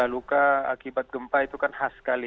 luka akibat gempa itu kan khas sekali